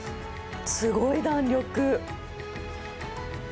すごい弾力。